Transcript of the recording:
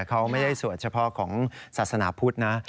เขาไม่ได้สวดเฉพาะของศาสนาพุทธนะ